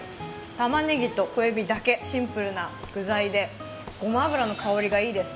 たまねぎと小えびだけ、シンプルな具材でごま油の香りがいいです。